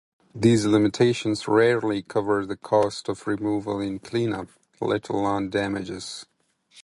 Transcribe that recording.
These limitations rarely covered the cost of removal and cleanup, let alone damages.